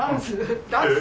ダンス。